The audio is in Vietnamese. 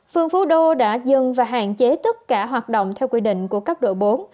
phường phú đô đã dừng và hạn chế tất cả hoạt động theo quy định của cấp độ bốn